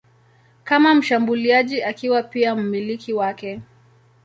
kama mshambuliaji akiwa pia mmiliki wake.